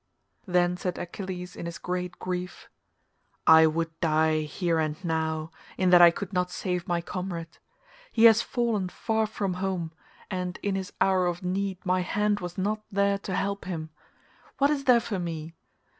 Then said Achilles in his great grief, "I would die here and now, in that I could not save my comrade. He has fallen far from home, and in his hour of need my hand was not there to help him. What is there for me?